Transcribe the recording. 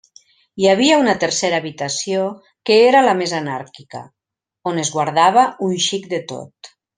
Hi havia una tercera habitació que era la més anàrquica, on es guardava un xic de tot.